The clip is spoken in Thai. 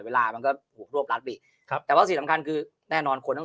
เวลามันก็ถูกรวบรัดไปครับแต่ว่าสิ่งสำคัญคือแน่นอนคนต้อง